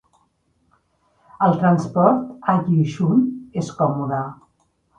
El transport a Yichun és còmode.